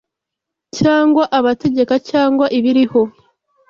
cyangwa abategeka, cyangwa ibiriho